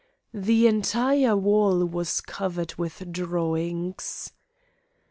The entire wall was covered with drawings!